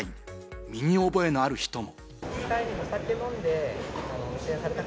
身に覚えのある人も。